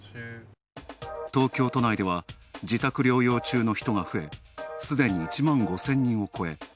東京都内では自宅療養中の人が増えすでに１万５０００人を超え